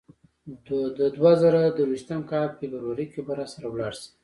د دوه زره درویشت کال فبرورۍ کې به راسره لاړ شې.